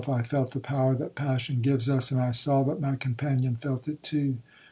I felt the power that passion gives us, and I saw that my companion felt it too.